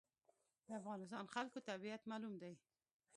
د افغانستان خلکو طبیعت معلوم دی.